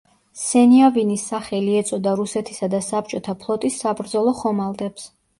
სენიავინის სახელი ეწოდა რუსეთისა და საბჭოთა ფლოტის საბრძოლო ხომალდებს.